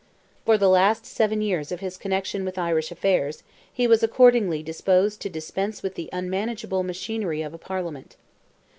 For the last seven years of his connection with Irish affairs, he was accordingly disposed to dispense with the unmanageable machinery of a Parliament.